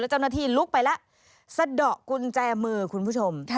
เจ้าหน้าที่ลุกไปแล้วสะดอกกุญแจมือคุณผู้ชม